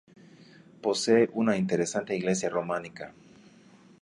Posee una interesante iglesia románica.